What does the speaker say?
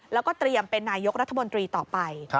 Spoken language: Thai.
แล้วก็เตรียมเป็นนายกรัฐมนตรีต่อไป